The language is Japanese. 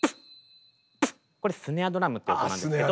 これスネアドラムという音なんですけど。